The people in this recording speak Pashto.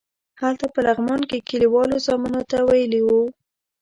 هلته په لغمان کې کلیوالو زامنو ته ویلي وو.